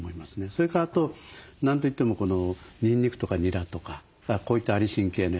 それからあと何と言ってもこのにんにくとかにらとかこういったアリシン系のやつ。